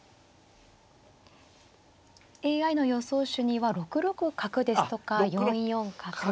ＡＩの予想手には６六角ですとか４四角。